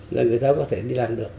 là người ta có thể đi làm được